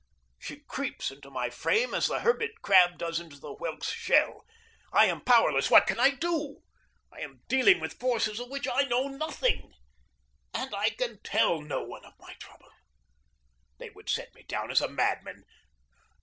She creeps into my frame as the hermit crab does into the whelk's shell. I am powerless What can I do? I am dealing with forces of which I know nothing. And I can tell no one of my trouble. They would set me down as a madman.